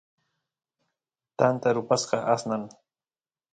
tanta rupasqa aqnan